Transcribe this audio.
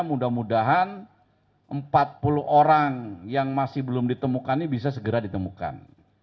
mudah mudahan empat puluh orang yang masih belum ditemukan ini bisa segera ditemukan